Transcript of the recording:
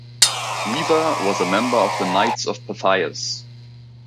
Weaver was a member of the Knights of Pythias.